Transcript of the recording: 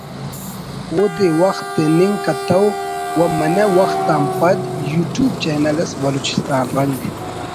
اودے وخت تننگ کتو و منہ وخت آن پد یو ٹیوب چینل اس ”بلوچستان رنگ“